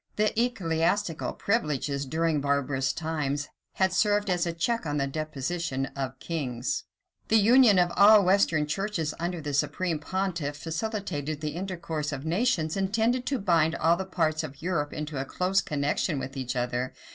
The ecclesiastical privileges, during barbarous times, had served as a check on the despotism of kings. The union of all the western churches under the supreme pontiff facilitated the intercourse of nations, and tended to bind all the parts of Europe into a close connection with each other.